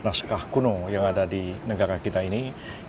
ini adalah naskah kuno yang saya ambil dari teman agus namanya